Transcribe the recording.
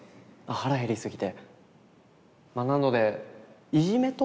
腹減りすぎて。